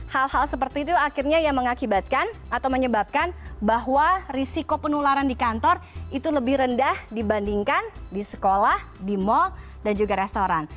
hal hal seperti itu akhirnya yang mengakibatkan atau menyebabkan bahwa risiko penularan di kantor itu lebih rendah dibandingkan di sekolah di mal dan juga restoran